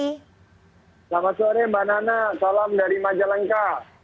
selamat sore mbak nana salam dari majalengka